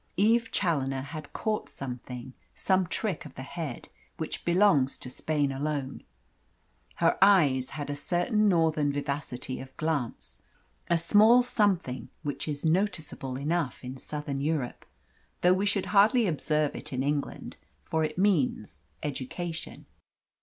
Eve Challoner had caught something some trick of the head which belongs to Spain alone. Her eyes had a certain northern vivacity of glance, a small something which is noticeable enough in Southern Europe, though we should hardly observe it in England, for it means education.